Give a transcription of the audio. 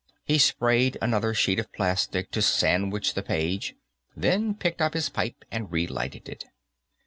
He sprayed another sheet of plastic to sandwich the page, then picked up his pipe and relighted it.